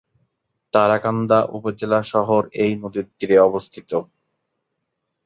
তারাকান্দা উপজেলা শহর এই নদীর তীরে অবস্থিত।